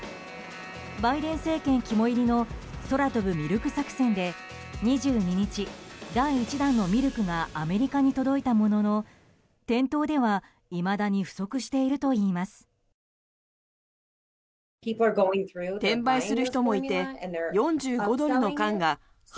バイデン政権肝いりの空飛ぶミルク作戦で２２日、第１弾のミルクがアメリカに届いたものの店頭ではいまだに不足しているといいます。